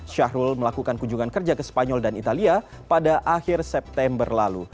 syahrul melakukan kunjungan kerja ke spanyol dan italia pada akhir september lalu